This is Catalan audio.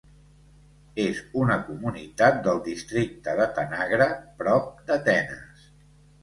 És una comunitat del districte de Tanagra, prop d'Atenes.